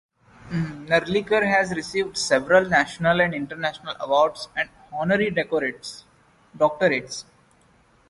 Narlikar has received several national and international awards and honorary doctorates.